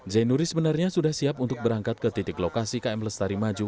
zainuri sebenarnya sudah siap untuk berangkat ke titik lokasi km lestari maju